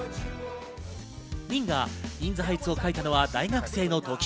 リンが『イン・ザ・ハイツ』を書いたのは大学生のとき。